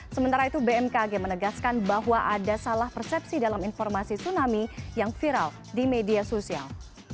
sementara itu bmkg menegaskan bahwa ada salah persepsi dalam informasi tsunami yang viral di media sosial